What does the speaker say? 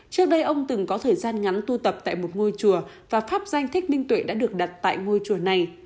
trước đây ông từng có thời gian ngắn tu tập tại một ngôi chùa và pháp danh thích ninh tuệ đã được đặt tại ngôi chùa này